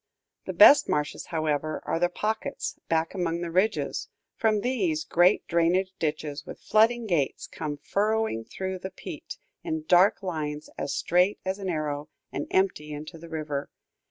The best marshes, however, are the pockets, back among the ridges; from these, great drainage ditches, with flooding gates, come furrowing through the peat, in dark lines as straight as an arrow, and empty into the river.